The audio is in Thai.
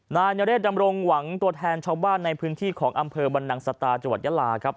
นายนเรศดำรงหวังตัวแทนชาวบ้านในพื้นที่ของอำเภอบรรนังสตาจังหวัดยาลาครับ